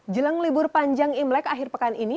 jelang libur panjang imlek akhir pekan ini